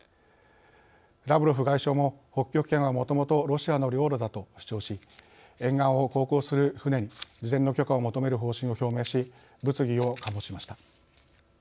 ラブロフ外相も「北極圏はもともとロシアの領土だ」と主張し沿岸を航行する船に事前の許可を求める方針を表明し物議を醸しました。